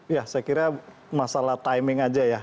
ya saya kira masalah timing aja ya